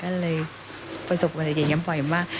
ก็เลยประสบความเก่งยอมปล่อยมาก